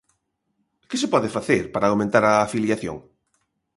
Que se pode facer para aumentar a afiliación?